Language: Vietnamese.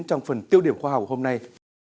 trong phần tiêu điểm khoa học hôm nay